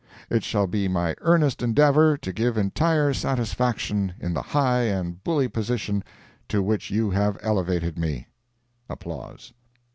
It shall be my earnest endeavor to give entire satisfaction in the high and bully position to which you have elevated me. [Applause.